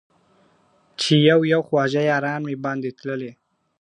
چي یو یو خواږه یاران مي باندي تللي !.